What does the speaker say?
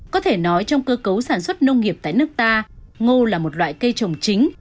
có thể nói trong cơ cấu sản xuất nông nghiệp tại nước ta ngô là một loại cây trồng chính